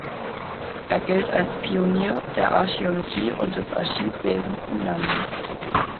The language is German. Er gilt als Pionier der Archäologie und des Archivwesens im Lande.